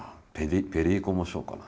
「ペリー・コモ・ショー」かな？